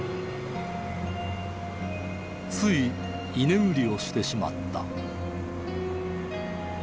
つい居眠りをしてしまった。